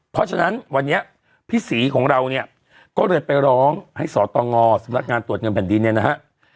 เพราะฉะนั้นวันนี้พี่ศรีของเราเนี่ยก็เลยไปร้องให้สตงสำนักงานตรวจเงินแผ่นดินเนี่ยนะฮะ